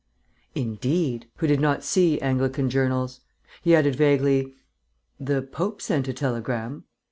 "Indeed," said Henry, who did not see Anglican journals. He added vaguely, "The Pope sent a telegram...."